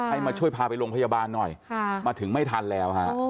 มาช่วยพาไปโรงพยาบาลหน่อยมาถึงไม่ทันแล้วฮะ